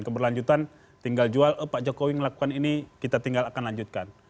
keberlanjutan tinggal jual pak jokowi melakukan ini kita tinggal akan lanjutkan